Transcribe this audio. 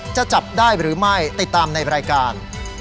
จะจับได้หรือไม่ติดตามในรายการ